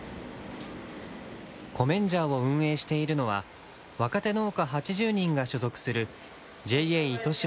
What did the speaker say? コメンジャーを運営しているのは若手農家８０人が所属するＪＡ糸島の青年部。